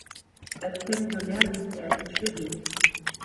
Als Pensionär lebte er in Schwerin.